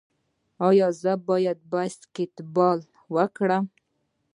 ایا زه باید باسکیټبال وکړم؟